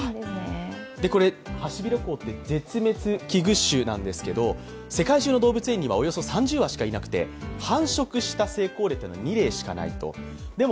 これハシビロコウって絶滅危惧種なんですけれども世界中の動物園にはおよそ３０羽しかなくて繁殖に成功したのは２例しかないそうです。